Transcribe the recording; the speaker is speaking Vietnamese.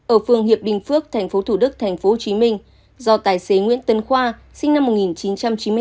ở phương hiệp bình phước tp thủ đức tp hcm do tài xế nguyễn tân khoa sinh năm một nghìn chín trăm chín mươi hai